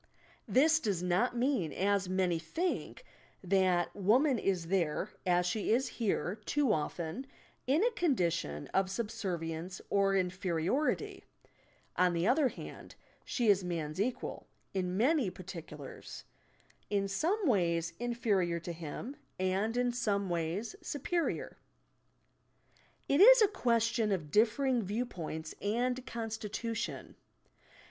This does not mean, as many think, that woman is there (as she is here, too often) in a condition of subservience or inferiority. On the other hand, she is man's equal in many particulars; in some ways in ferior to him, and in some ways superior. It is a ques tion of differing viewpoint and constitution.